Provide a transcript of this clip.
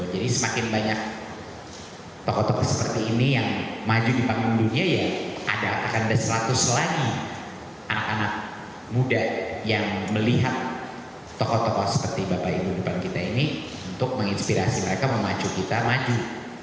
jadi semakin banyak tokoh tokoh seperti ini yang maju di panggung dunia ya akan ada seratus lagi anak anak muda yang melihat tokoh tokoh seperti bapak ibu depan kita ini untuk menginspirasi mereka memacu kita maju